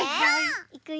いくよ。